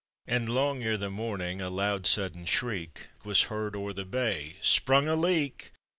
And long ere the morning, a loud sudden shriek Was heard o'er the bay, "Sprung a leak!